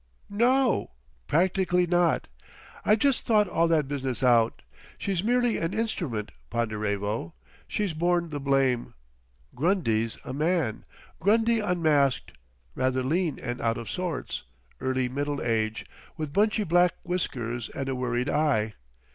"No! Practically not. I've just thought all that business out. She's merely an instrument, Ponderevo. She's borne the blame. Grundy's a man. Grundy unmasked. Rather lean and out of sorts. Early middle age. With bunchy black whiskers and a worried eye.